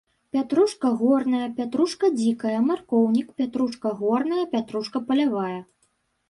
Пятрушка горная, пятрушка дзікая, маркоўнік, пятрушка горная, пятрушка палявая.